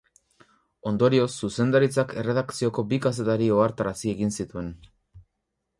Ondorioz, zuzendaritzak erredakzioko bi kazetari ohartarazi egin zituen.